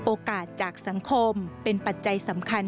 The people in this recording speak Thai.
โอกาสจากสังคมเป็นปัจจัยสำคัญ